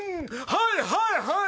はいはいはい！